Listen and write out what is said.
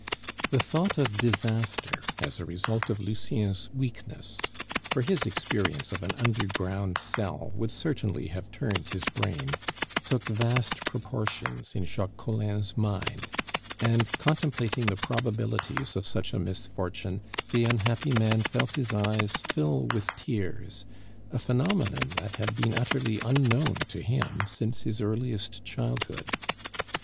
The thought of disaster as a result of Lucien's weakness for his experience of an underground cell would certainly have turned his brain took vast proportions in Jacques Collin's mind; and, contemplating the probabilities of such a misfortune, the unhappy man felt his eyes fill with tears, a phenomenon that had been utterly unknown to him since his earliest childhood.